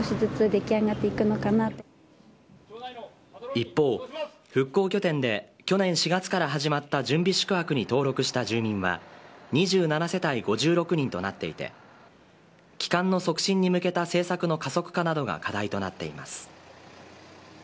一方、復興拠点で去年４月から始まった準備宿泊に登録した住民は２７世帯５６人となっていて帰還の促進に向けた政策の加速化などが課題となっています。